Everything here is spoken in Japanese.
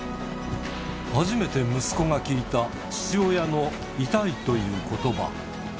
初めて息子が聞いた父親の痛いということば。